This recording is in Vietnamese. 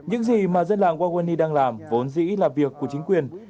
những gì đó bắt cóc hại bệnh nhân người hoạt động chuyên nghiệp và hữu quyền